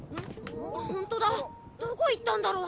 ホントだどこ行ったんだろう？